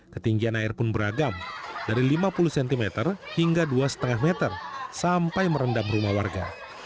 ketinggian air pun beragam dari lima puluh cm hingga dua lima meter sampai merendam rumah warga